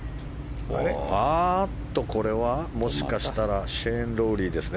これは、もしかしたらシェーン・ロウリーですね。